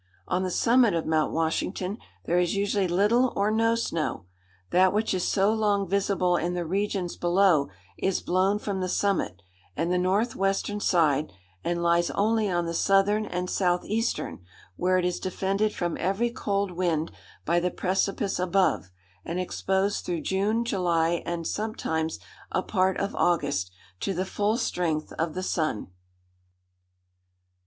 On the summit of Mount Washington there is usually little or no snow. That which is so long visible in the regions below is blown from the summit, and the north western side, and lies only on the southern and south eastern, where it is defended from every cold wind by the precipice above, and exposed through June, July, and sometimes a part of August, to the full strength of the sun.